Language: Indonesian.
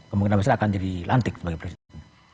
kemungkinan besar akan jadi lantik sebagai presiden